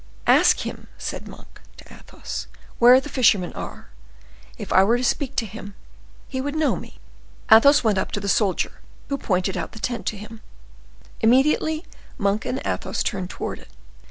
"Ask him," said Monk to Athos, "where the fishermen are; if I were to speak to him, he would know me." Athos went up to the soldier, who pointed out the tent to him; immediately Monk and Athos turned towards it.